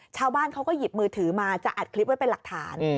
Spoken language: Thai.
ชาวบ้านเขาก็หยิบมือถือมาจะอัดคลิปไว้เป็นหลักฐาน